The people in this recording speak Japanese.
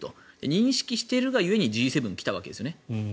認識しているが故にＧ７は来たわけですね。